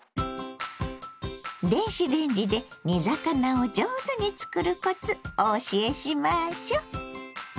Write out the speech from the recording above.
電子レンジで煮魚を上手に作るコツお教えしましょう。